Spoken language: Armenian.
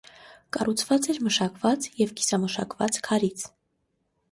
Կառուցված էր մշակված և կիսամշակված քարից։